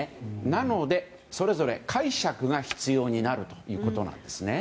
なので、それぞれ解釈が必要になるということなんですね。